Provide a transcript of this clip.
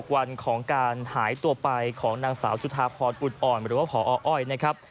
วันของการหายตัวไปของนางสาวจุธาพรอุดอ่อนหรือว่าพออ้อยนะครับ